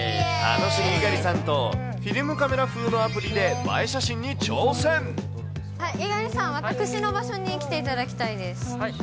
楽しい猪狩さんとフィルムカメラ風のアプリで、映え写真に挑猪狩さん、私の場所に来ていただきたいです。